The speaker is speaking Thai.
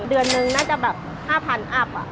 เดือนหนึ่งเนื่องนน่าจะ๕๐๐๐บาทอักษณ์